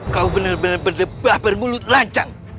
kau benar benar berdebah bermulut lancang